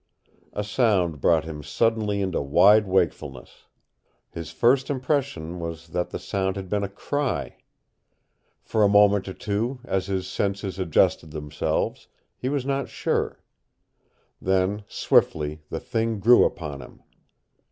A sound brought him suddenly into wide wakefulness. His first impression was that the sound had been a cry. For a moment or two, as his senses adjusted themselves, he was not sure. Then swiftly the thing grew upon him.